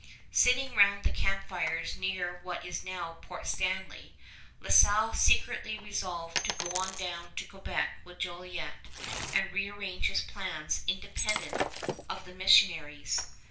Sitting round the camp fires near what is now Port Stanley, La Salle secretly resolved to go on down to Quebec with Jolliet and rearrange his plans independent of the missionaries.